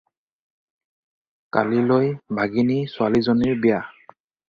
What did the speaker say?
কালিলৈ ভাগিনী ছোৱালীজনীৰ বিয়া।